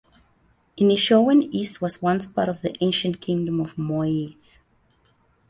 Inishowen East was once part of the ancient kingdom of Moy Ith.